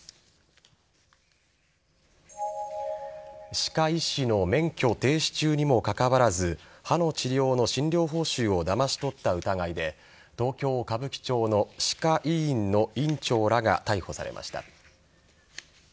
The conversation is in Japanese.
歯科医師の免許停止中にもかかわらず歯の治療の診療報酬をだまし取った疑いで東京・歌舞伎町の歯科医院の院長らが逮捕されました。